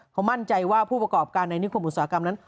เขามั่นใจว่าผู้ประกอบการในนิคมอุตสาหกรรมนั้น